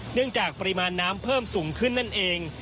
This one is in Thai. จากปริมาณน้ำเพิ่มสูงขึ้นนั่นเอง